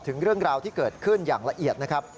ถึงเรื่องราวที่เกิดขึ้นอย่างละเอียดนะครับ